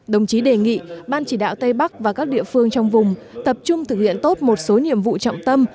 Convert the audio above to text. đồng chí đề nghị ban chỉ đạo tây bắc và các địa phương trong vùng tập trung thực hiện tốt một số nhiệm vụ trọng tâm